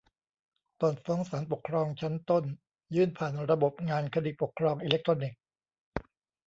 ตอนฟ้องศาลปกครองชั้นต้น ยื่นผ่านระบบงานคดีปกครองอิเล็กทรอนิกส์